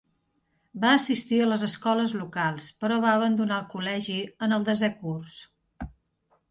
Va assistir a les escoles locals, però va abandonar el col·legi en el desè curs.